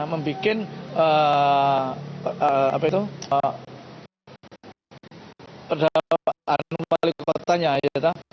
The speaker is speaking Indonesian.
membuat perdaan wali kotanya